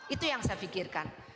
itu yang saya pikirkan